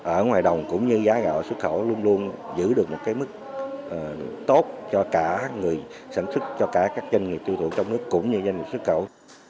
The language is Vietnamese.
ở ngoài đồng cũng như giá gạo xuất khẩu luôn luôn giữ được một mức tốt cho cả người sản xuất cho cả các doanh nghiệp tiêu thụ trong nước cũng như doanh nghiệp xuất khẩu